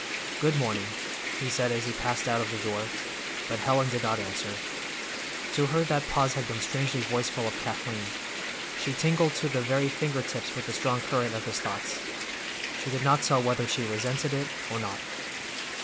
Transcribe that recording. "Good morning," he said as he passed out of the door, but Helen did not answer. To her that pause had been strangely voiceful of Kathleen; she tingled to the very finger tips with the strong current of his thoughts. She could not tell whether she resented it or not.